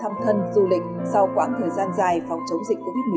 thăm thân du lịch sau quãng thời gian dài phòng chống dịch covid một mươi